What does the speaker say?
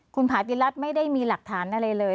คุณผาติรัฐไม่ได้มีหลักฐานอะไรเลย